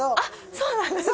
そうなんです。